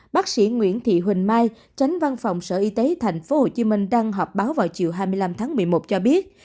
bác sĩ nguyễn thị huỳnh mai tránh văn phòng sở y tế tp hcm đang họp báo vào chiều hai mươi năm tháng một mươi một cho biết